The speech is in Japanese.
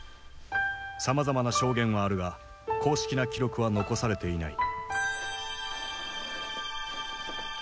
さまざまな証言はあるが公式な記録は残されていない。